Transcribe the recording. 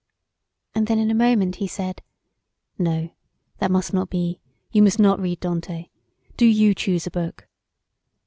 And then in a moment he said, "No, that must not be; you must not read Dante. Do you choose a book."